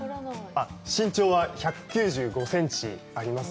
身長は１９５センチあります。